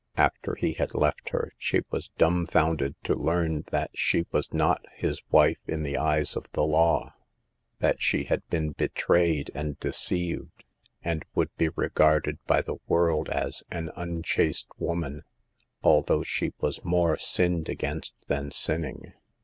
After he had left her she was dumbfounded to learn that she was not his wife in the eyes of the A LOST WOMAN BAYED. 125 law ; that she had been betrayed and de ceived, and would be regarded by the world as an unchaste woman, although she was more sinned against than sinning.